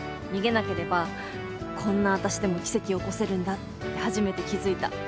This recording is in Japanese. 逃げなければこんな私でも奇跡起こせるんだって初めて気付いた。